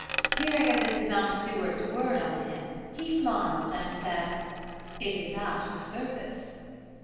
Hearing of Mrs. Mountstuart's word on him, he smiled and said, "It is at her service."